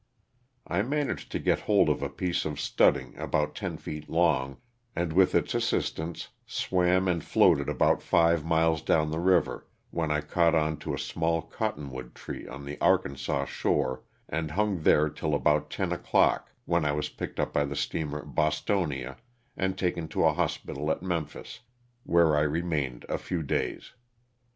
I managed to get hold of a piece of studding about ten feet long, and with its assistance swam and floated about five miles down the river, when I caught on to a small cotton wood tree on the Arkansas shore and hung there till about ten o'clock when I was picked up by the steamer, " Bostonia" and taken to a hospital at Memphis where I remained a few days.